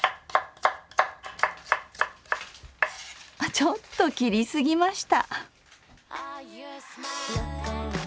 ちょっと切り過ぎました。